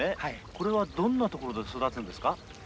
これはどんな所で育つんですか？